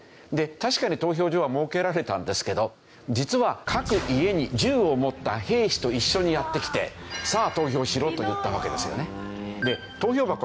確かに投票所が設けられたんですけど実は各家に銃を持った兵士と一緒にやって来て「さあ投票しろ！」と言ったわけですよね。